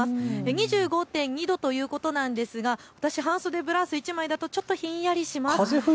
２５．２度ということなんですが私、半袖ブラウス１枚だとちょっとひんやりします。